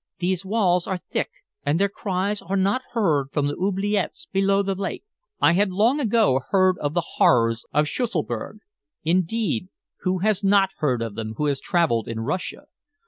These walls are thick, and their cries are not heard from the oubliettes below the lake." I had long ago heard of the horrors of Schusselburg. Indeed who has not heard of them who has traveled in Russia?